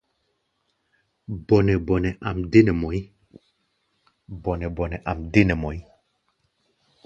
Bɔnɛ-bɔnɛ áʼm deé nɛ mɔʼí̧.